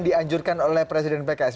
dianjurkan oleh presiden pks